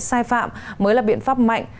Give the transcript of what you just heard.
sai phạm mới là biện pháp mạnh